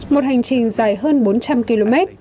một hành trình dài hơn bốn trăm linh km